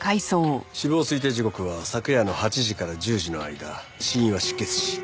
死亡推定時刻は昨夜の８時から１０時の間死因は失血死。